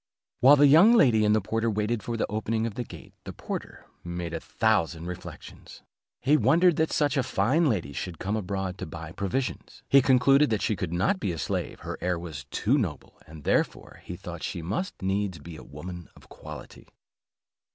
While the young lady and the porter waited for the opening of the gate, the porter made a thousand reflections. He wondered that such a fine lady should come abroad to buy provisions; he concluded she could not be a slave, her air was too noble, and therefore he thought she must needs be a woman of quality.